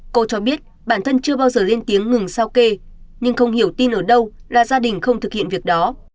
cô cho biết bản thân chưa bao giờ lên tiếng ngừng sao kê nhưng không hiểu tin ở đâu là gia đình không thực hiện việc đó